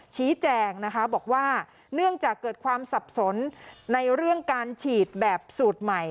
ชี้แจงนะคะบอกว่าเนื่องจากเกิดความสับสนในเรื่องการฉีดแบบสูตรใหม่